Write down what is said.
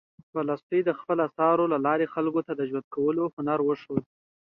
تولستوی د خپلو اثارو له لارې خلکو ته د ژوند کولو هنر وښود.